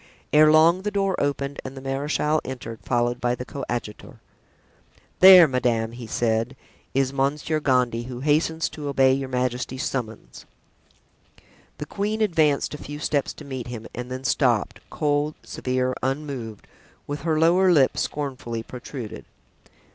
Ere long the door opened and the marechal entered, followed by the coadjutor. "There, madame," he said, "is Monsieur Gondy, who hastens to obey your majesty's summons." The queen advanced a few steps to meet him, and then stopped, cold, severe, unmoved, with her lower lip scornfully protruded.